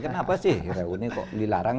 kenapa sih reuni kok dilarang